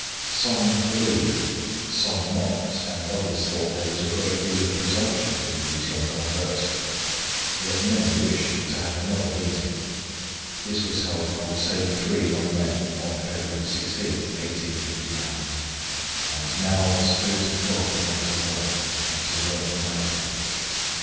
Some believed, some mocked, and others thought there was a great deal of presumption in these young converts; yet many wished to have another meeting. This was held by the same three young men on February 16th, 1859; and now the Spirit of God began to work, and to work mightily.